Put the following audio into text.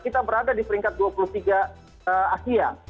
kita berada di peringkat dua puluh tiga asia